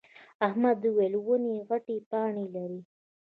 احمد وويل: ونې غتې پاڼې لري.